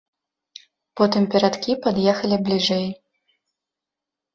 Потым перадкі пад'ехалі бліжэй.